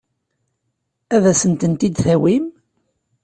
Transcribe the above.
Ad asen-tent-id-tawim?